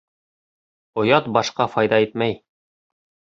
Оят башҡа файҙа итмәй.